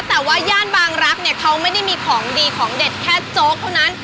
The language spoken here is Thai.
แต่ว่าย่านบางรักเนี่ยเขาไม่ได้มีของดีของเด็ดแค่โจ๊กเท่านั้น